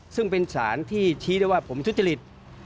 ซึ่งเป็นสารที่ชี้ได้ว่าผมทุจริต